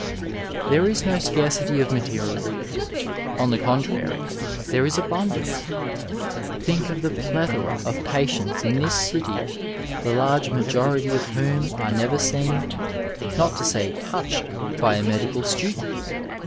There is no scarcity of material; on the contrary, there is abundance. Think of the plethora of patients in this city, the large majority of whom are neret seen, not to say touched, by a medical student